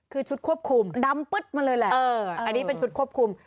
คือชุดควบคุมดำปึ๊ดมาเลยแหละอันนี้เป็นชุดควบคุม